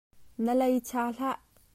Na lei cha hlah.